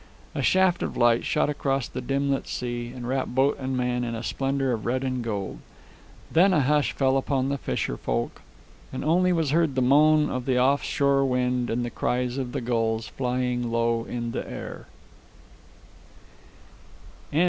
A shaft of light shot across the dim lit sea and wrapped boat and man in a splendor of red and gold. Then a hush fell upon the fisherfolk, and only was heard the moan of the off shore wind and the cries of the gulls flying low in the air.